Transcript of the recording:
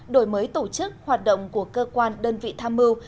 đổi mới tổ chức hoạt động của cơ quan đơn vị tham mưu